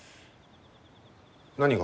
何が？